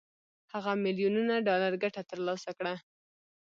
هغه میلیونونه ډالر ګټه تر لاسه کړه